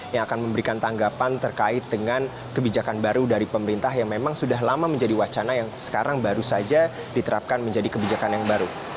yang akan memberikan tanggapan terkait dengan kebijakan baru dari pemerintah yang memang sudah lama menjadi wacana yang sekarang baru saja diterapkan menjadi kebijakan yang baru